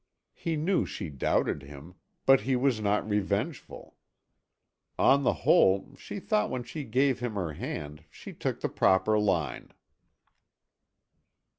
He knew she doubted him, but he was not revengeful. On the whole, she thought when she gave him her hand she took the proper line.